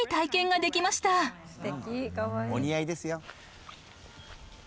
お似合いですよ。